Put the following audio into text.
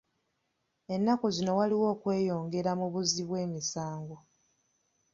Ennaku zino waliwo okweyongera mu buzzi bw'emisango.